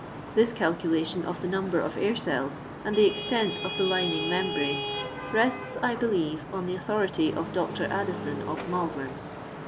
This col ' cuktion of the number of air cells, and the extent of the lining membrane, rests, I believe, on the authority of Dr. Addison of Malvern.''